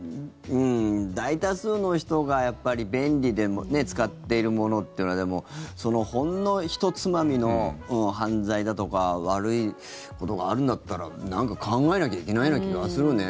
大多数の人がやっぱり便利で使っているものっていうのはでも、ほんのひとつまみの犯罪だとか悪いことがあるんだったら何か考えなきゃいけないような気がするね。